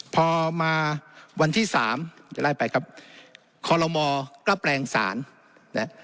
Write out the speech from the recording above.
พอมาวันที่๓จะได้ไปครับคอลโลมอร์ก็แปลงศาล